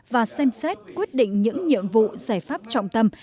và xem xét quyết định những nhiệm vụ giải pháp trọng tâm